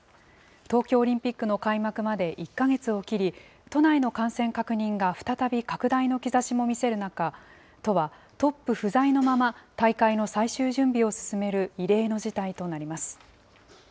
東京オリンピックの開幕まで１か月を切り、都内の感染確認が再び拡大の兆しも見せる中、都は、トップ不在のまま大会の最終準備を進める異例の事態となります。